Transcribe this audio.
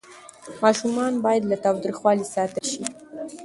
ماشومان باید له تاوتریخوالي ساتل سي.